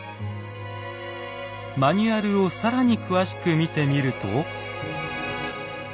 マニュアルを更に詳しく見てみると。